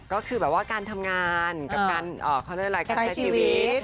ก็คือแบบว่าการทำงานกับการเขาเรียกอะไรการใช้ชีวิต